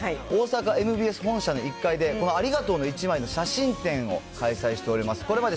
さあ、そしてきのうから、大阪ＭＢＳ本社の１階で、このありがとうの１枚の写真展を開催しております。